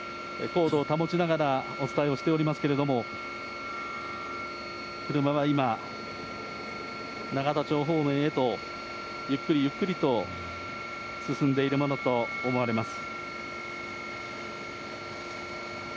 高度を保ちながらお伝えをしておりますけれども、車は今、永田町方面へとゆっくりゆっくりと進んでいるものと思われます。